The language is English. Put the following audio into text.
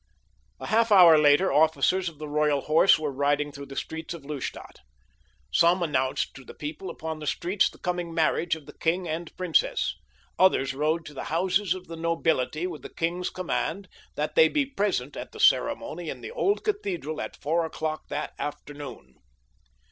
A half hour later officers of the Royal Horse were riding through the streets of Lustadt. Some announced to the people upon the streets the coming marriage of the king and princess. Others rode to the houses of the nobility with the king's command that they be present at the ceremony in the old cathedral at four o'clock that afternoon.